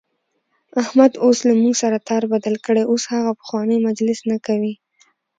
احمد اوس له موږ سره تار بدل کړی، اوس هغه پخوانی مجلس نه کوي.